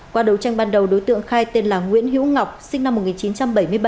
qua đấu tranh ban đầu đối tượng khai tên là nguyễn hữu ngọc sinh năm một nghìn chín trăm bảy mươi bảy